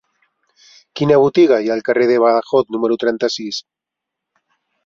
Quina botiga hi ha al carrer de Badajoz número trenta-sis?